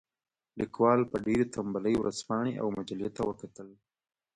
لیکوال په ډېرې تنبلۍ ورځپاڼې او مجلې ته وکتل.